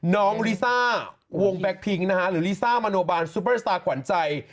น้องลิซ่าวงแบ็คพิงนะฮะหรือลิซ่ามโนบานซุปเปอร์สตาร์ขวัญใจ